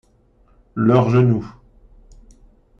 Leur genou.